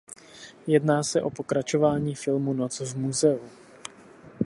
Jedná se o pokračování filmu "Noc v muzeu".